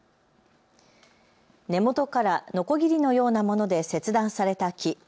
根元からのこぎりのようなもので切断された木。